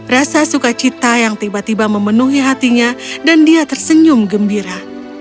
rasa suka cita yang tiba tiba memenuhi hatinya dan dia tersenyum gembira